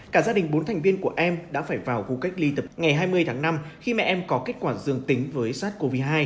cả gia đình bốn thành viên của em đã phải vào khu cách ly tập ngày hai mươi tháng năm khi mẹ em có kết quả dương tính với sars cov hai